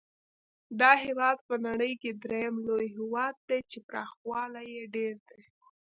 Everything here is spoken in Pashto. دا هېواد په نړۍ کې درېم لوی هېواد دی چې پراخوالی یې ډېر دی.